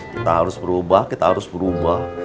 kita harus berubah kita harus berubah